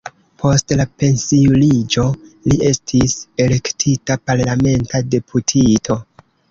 Post la pensiuliĝo li estis elektita parlamenta deputito.